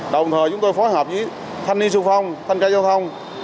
đồng thời chúng tôi phối hợp với thanh niên xung phong thanh tra giao thông